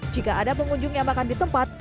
jika ada pengunjung yang makan di tempat